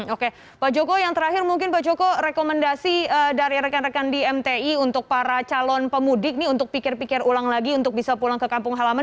oke pak joko yang terakhir mungkin pak joko rekomendasi dari rekan rekan di mti untuk para calon pemudik ini untuk pikir pikir ulang lagi untuk bisa pulang ke kampung halaman